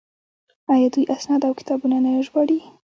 آیا دوی اسناد او کتابونه نه ژباړي؟